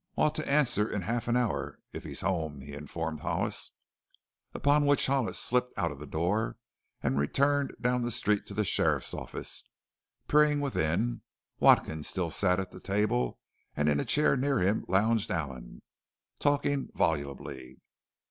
"Ought to answer in half an hour if he's home," he informed Hollis. Upon which Hollis slipped out of the door and returned down the street to the sheriff's office, peering within Watkins still sat at the table and in a chair near him lounged Allen, talking volubly.